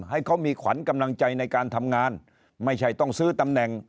ให้เขามีขวัญกำลังใจในการทำงานไม่ใช่ต้องซื้อตำแหน่ง